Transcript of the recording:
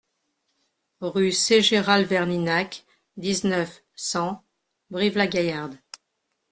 Rue Ségéral Verninac, dix-neuf, cent Brive-la-Gaillarde